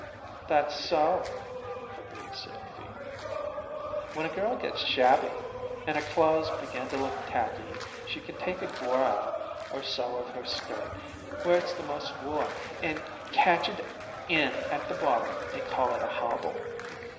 "That's so," agreed Sophy. "When a girl gets shabby, and her clothes begin t' look tacky she can take a gore or so out of her skirt where it's the most wore, and catch it in at the bottom, and call it a hobble.